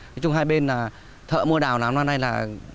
nói chung hai bên là thợ mua đào làm đào hôm nay là